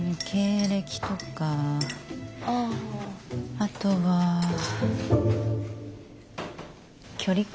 あとは距離感？